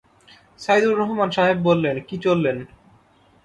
সাইদুর রহমান সাহেব বললেন, কি, চললেন?